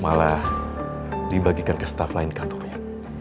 malah dibagikan ke staff lain kantornya